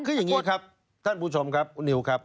คืออย่างนี้ครับท่านผู้ชมครับคุณนิวครับ